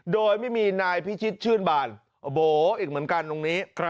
โดยไม่มีนายพิชิตชื่นบานโอ้โหอีกเหมือนกันตรงนี้